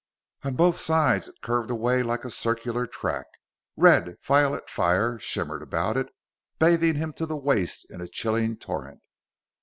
On both sides it curved away like a circular track. Red violet fire shimmered about it, bathing him to the waist in a chilling torrent.